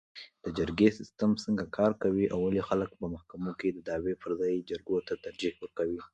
د جرګې سسټم څنګه کار کوي او ولې خلک په محکمو کې د دعوې پر جرګو ته ترجيح ورکوي؟